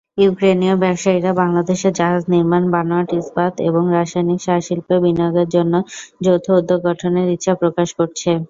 ইউক্রেনীয় ব্যবসায়ীরা বাংলাদেশের জাহাজ নির্মাণ, বানোয়াট ইস্পাত এবং রাসায়নিক সার শিল্পে বিনিয়োগের জন্য যৌথ উদ্যোগ গঠনের ইচ্ছা প্রকাশ করেছে।